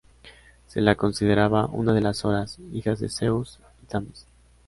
Se la consideraba una de las Horas, hija de Zeus y Temis.